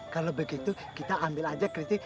kalau begitu kita ambil aja kritik